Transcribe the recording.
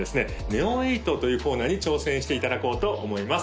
ＮＥＯ８というコーナーに挑戦していただこうと思います